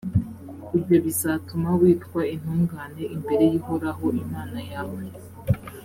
ibyo bizatuma witwa intungane imbere y’uhoraho imana yawe.